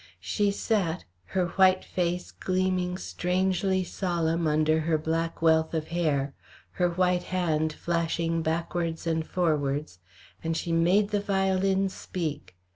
She sat, her white face gleaming strangely solemn under her black wealth of hair, her white hand flashing backwards and forwards, and she made the violin speak.